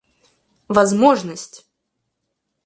возможность